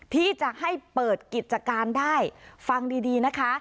ที่จะให้เปิดกิจการได้ฟังดีดีนะคะ